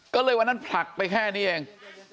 ก็เลยวันนั้นผลักไปแค่นี้เอง